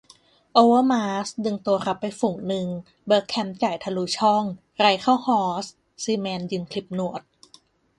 โอเวอร์มาร์สดึงตัวรับไปฝูงนึง เบิร์กแคมป์จ่ายทะลุช่อง ไรต์เข้าฮอส ซีแมนยืนขลิบหนวด